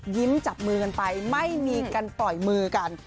จับมือกันไปไม่มีกันปล่อยมือกัน